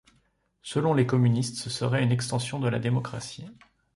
Selon les communistes, ce serait une extension de la démocratie.